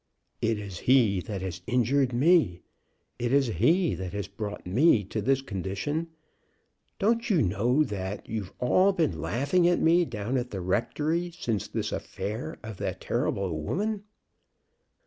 "It is he that has injured me. It is he that has brought me to this condition. Don't you know that you've all been laughing at me down at the rectory since this affair of that terrible woman?"